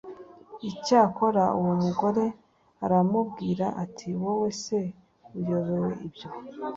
Icyakora uwo mugore aramubwira ati wowe se uyobewe ibyo